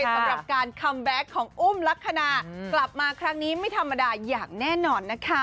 สำหรับการคัมแบ็คของอุ้มลักษณะกลับมาครั้งนี้ไม่ธรรมดาอย่างแน่นอนนะคะ